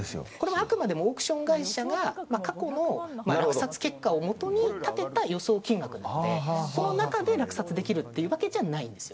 あくまでもオークション会社が過去の落札結果をもとに立てた予想金額なのでその中で落札できるというわけじゃないんです。